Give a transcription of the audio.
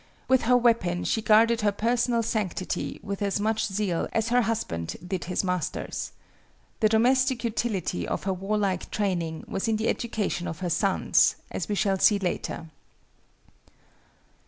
With her weapon she guarded her personal sanctity with as much zeal as her husband did his master's. The domestic utility of her warlike training was in the education of her sons, as we shall see later.